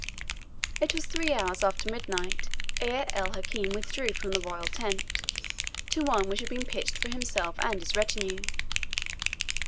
It was three hours after midnight ere El Hakim withdrew from the royal tent, to one which had been pitched for himself and his retinue.